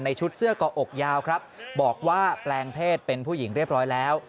ชุดเสื้อก่ออกยาวครับบอกว่าแปลงเพศเป็นผู้หญิงเรียบร้อยแล้ว